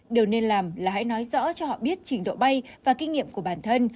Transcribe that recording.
điều nên làm là hãy nói rõ cho họ biết trình độ bay và kinh nghiệm của bản thân